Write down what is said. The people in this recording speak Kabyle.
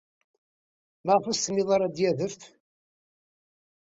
Maɣef ur as-tennid ara ad d-yadef?